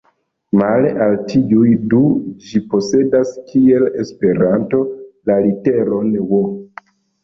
Male al tiuj du ĝi posedas, kiel Esperanto, la literon "ŭ".